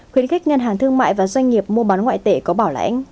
khuyến khích ngân hàng thương mại và doanh nghiệp mua bán ngoại tệ có bảo lãnh